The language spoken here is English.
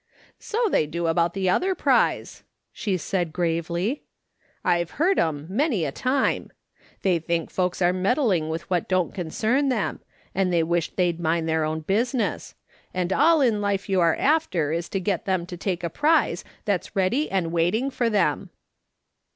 " So they do about the other prize," she said gravely. " I've heard 'em, many a time. They think folks are meddling with what don't concern them, and they wish they'd mind their own business; and all in life you are after is to get them to take a prize that's ready and waiting for them."